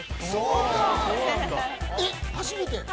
えっ初めて？